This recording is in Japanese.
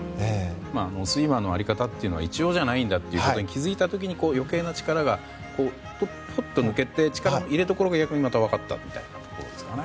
スイマーの在り方は一様じゃないんだということに気付いた時に余計な力がふっと抜けて力の入れどころがまた分かったみたいなことですかね。